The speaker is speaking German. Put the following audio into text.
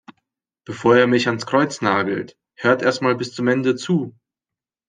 Bevor ihr mich ans Kreuz nagelt, hört erst mal bis zum Ende zu!